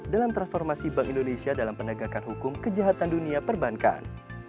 dalam transformasi bank indonesia dalam penegakan hukum kejahatan dunia perbankan